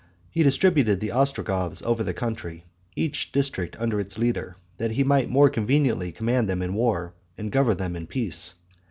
He distributed the Ostrogoths over the country, each district under its leader, that he might more conveniently command them in war, and govern them in peace.